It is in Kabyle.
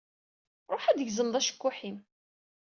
Ṛuḥ ad d-tgezmeḍ acekkuḥ-im.